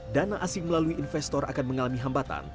dana asing melalui investor akan mengalami hambatan